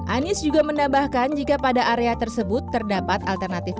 anies juga menambahkan jika pada area tersebut terdapat alternatif